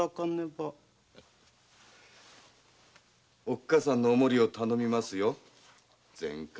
おっかさんのお守りを頼みますよ善界坊。